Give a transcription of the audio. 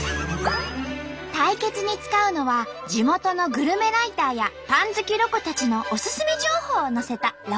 対決に使うのは地元のグルメライターやパン好きロコたちのオススメ情報を載せたロコＭＡＰ。